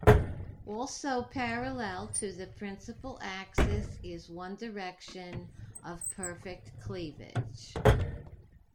Also parallel to the principal axis is one direction of perfect cleavage.